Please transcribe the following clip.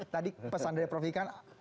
tadi pesan dari prof ikan